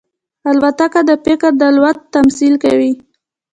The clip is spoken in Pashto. الوتکه د فکر د الوت تمثیل کوي.